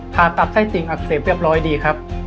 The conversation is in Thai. ผ่าตัดไส้ติ่งอักเสบเรียบร้อยดีครับ